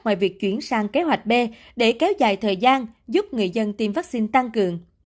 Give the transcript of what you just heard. ngoài việc chuyển sang kế hoạch b để kéo dài thời gian giúp người dân tiêm vaccine tăng cường